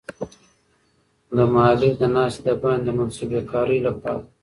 د محلي د ناستې د باندې د منصوبه کارۍ لپاره.